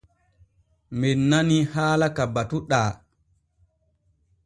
Men nanii haala ka batuɗaa.